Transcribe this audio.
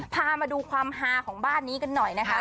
พามาดูความฮาของบ้านนี้กันหน่อยนะคะ